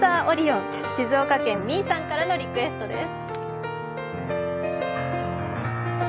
静岡県みーさんからのリクエストです。